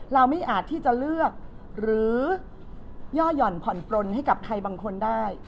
เราไม่อาจที่จะเลือกหรือย่อหย่อนผ่อนปลนให้กับใครบางคนได้